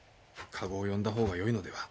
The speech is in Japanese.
駕籠を呼んだ方がよいのでは？